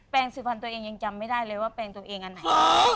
สุพรรณตัวเองยังจำไม่ได้เลยว่าแปลงตัวเองอันไหน